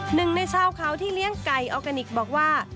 หนึ่งในชาวเขาที่เลี้ยงไก่ออร์แกนิคบอกว่า